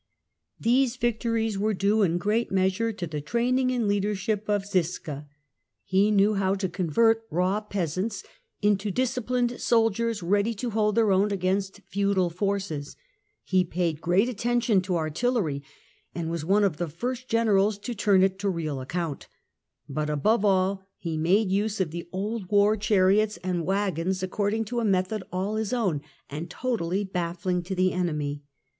These victories were due in great measure to theZiska's training and leadership of Ziska. He knew how to con policy vert raw peasants into disciplined soldiers ready to hold their own against feudal forces ; he paid great at tention to artillery and was one of the first generals to turn it to real account ; but above all he made use of the old war chariots and waggons according to a method all his own and totally baffling to the enemy.